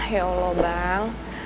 ya allah bang